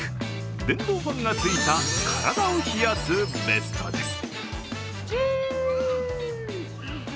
電動ファンがついた体を冷やすベストです。